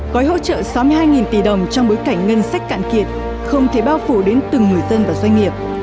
gói hỗ trợ sáu mươi hai tỷ đồng trong bối cảnh ngân sách cạn kiệt không thể bao phủ đến từng người dân và doanh nghiệp